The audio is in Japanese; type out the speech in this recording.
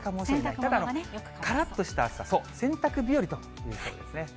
ただ、からっとした暑さ、洗濯日和といえそうですね。